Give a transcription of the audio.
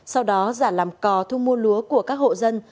sau đó giả làm cò thu mua lúa của các hộ dân